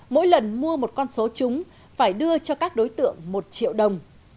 mỗi lần mua một con số chúng phải đưa cho các đối tượng một triệu đồng